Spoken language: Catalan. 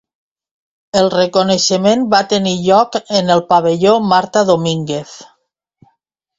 El reconeixement va tenir lloc en el Pavelló Marta Domínguez.